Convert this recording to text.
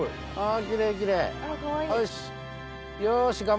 よし。